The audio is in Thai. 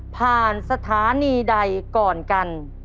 ผ่านสถานีใดก่อนกัน